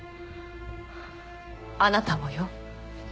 あなたもよ。